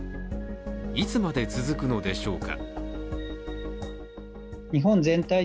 いつまで続くのでしょうか。